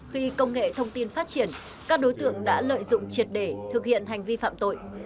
khi công nghệ thông tin phát triển các đối tượng đã lợi dụng triệt để thực hiện hành vi phạm tội